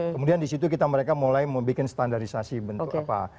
kemudian di situ kita mereka mulai membuat standarisasi bentuk apa